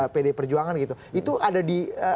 pdi perjuangan gitu itu ada di